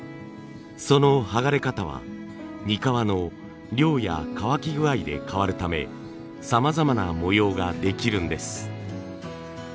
その剥がれ方はにかわの量や乾き具合で変わるためさまざまな模様ができるんです。